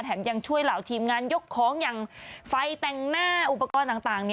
ยังช่วยเหล่าทีมงานยกของอย่างไฟแต่งหน้าอุปกรณ์ต่าง